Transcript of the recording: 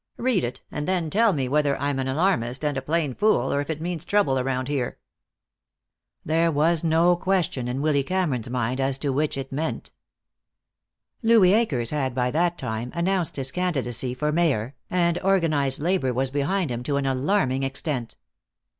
Read it and then tell me whether I'm an alarmist and a plain fool, or if it means trouble around here." There was no question in Willy Cameron's mind as to which it meant. Louis Akers had by that time announced his candidacy for Mayor, and organized labor was behind him to an alarming extent.